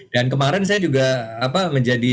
dan kemarin saya juga menjadi